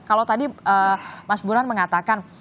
kalau tadi mas burhan mengatakan